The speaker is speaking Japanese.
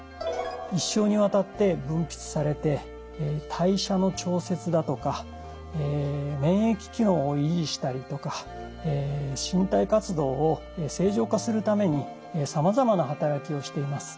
一生にわたって分泌されて代謝の調節だとか免疫機能を維持したりとか身体活動を正常化するためにさまざまな働きをしています。